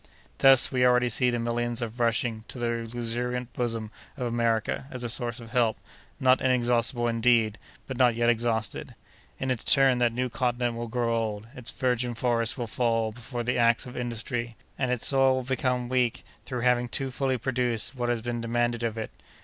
Thus, we already see the millions rushing to the luxuriant bosom of America, as a source of help, not inexhaustible indeed, but not yet exhausted. In its turn, that new continent will grow old; its virgin forests will fall before the axe of industry, and its soil will become weak through having too fully produced what had been demanded of it.